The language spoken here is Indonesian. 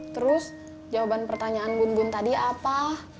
terus jawaban pertanyaan bun bun tadi apa